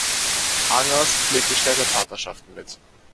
Angers pflegt Städtepartnerschaften mit